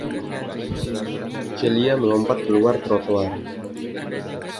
Celia melompat keluar trotoar.